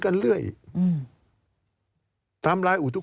การเลือกตั้งครั้งนี้แน่